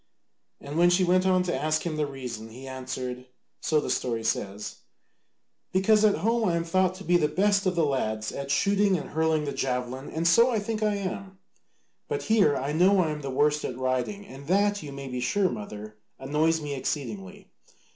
And when she went on to ask him the reason, he answered, so the story says, "Because at home I am thought to be the best of the lads at shooting and hurling the javelin, and so I think I am: but here I know I am the worst at riding, and that you may be sure, mother, annoys me exceedingly.